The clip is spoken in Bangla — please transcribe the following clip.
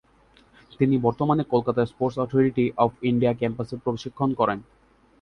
তিনি বর্তমানে কলকাতার স্পোর্টস অথরিটি অফ ইন্ডিয়া ক্যাম্পাসে প্রশিক্ষণ করেন।